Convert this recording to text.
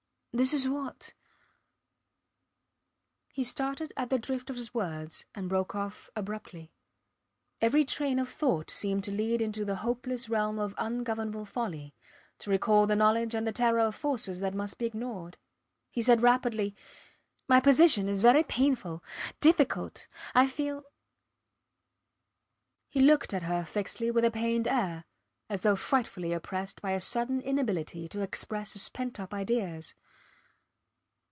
... This is what ... He started at the drift of his words and broke off abruptly. Every train of thought seemed to lead into the hopeless realm of ungovernable folly, to recall the knowledge and the terror of forces that must be ignored. He said rapidly My position is very painful difficult ... I feel ... He looked at her fixedly with a pained air, as though frightfully oppressed by a sudden inability to express his pent up ideas.